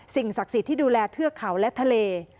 ศักดิ์สิทธิ์ที่ดูแลเทือกเขาและทะเล